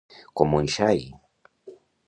Com un xai.